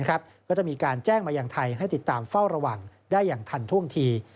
ก็จะมีการแจ้งมายังไทยให้ติดตามเฝ้าระวังได้อย่างทันท่วงที